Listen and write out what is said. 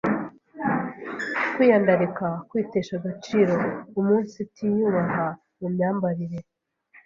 kwiyandarika, kwitesha agaciro, umunsitiyubaha mu myambarire,